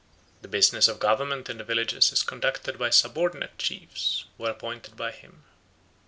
The business of government in the villages is conducted by subordinate chiefs, who are appointed by him.